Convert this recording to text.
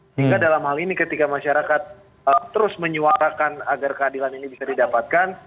sehingga dalam hal ini ketika masyarakat terus menyuarakan agar keadilan ini bisa didapatkan